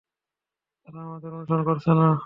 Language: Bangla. তারা আমাদের অনুসরণ করছে না!